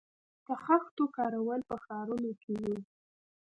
د خښتو کارول په ښارونو کې وو